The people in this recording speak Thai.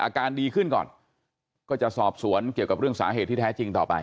อาการดีขึ้นก่อนก็จะสอบสวนเกี่ยวกับเรื่องสาเหตุที่แท้จริงต่อไป